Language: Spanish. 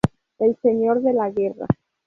El señor de la guerra